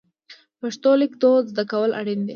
پښتو لیکدود زده کول اړین دي.